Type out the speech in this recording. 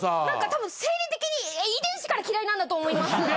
何かたぶん生理的に遺伝子から嫌いなんだと思います。